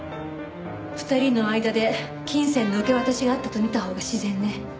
２人の間で金銭の受け渡しがあったと見たほうが自然ね。